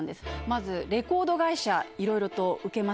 まずレコード会社いろいろと受けました。